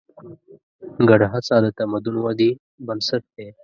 ګډه هڅه د تمدن ودې بنسټ دی.